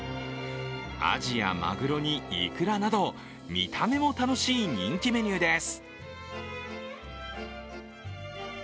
あじやまぐろにいくらなど、見た目も楽しい人気メニューです。